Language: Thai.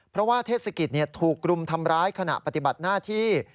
เพราะว่าเทศกิจถูกรุมทำร้ายขณะปฏิบัติหน้าที่